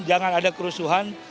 jangan ada kerusuhan